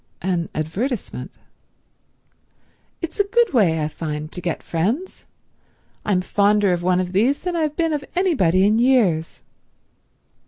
"An advertisement?" "It's a good way, I find, to get friends. I'm fonder of one of these than I've been of anybody in years."